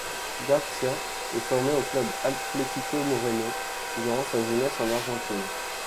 García est formé au Club Atlético Moreno durant sa jeunesse en Argentine.